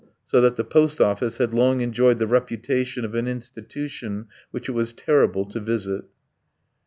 so that the post office had long enjoyed the reputation of an institution which it was terrible to visit.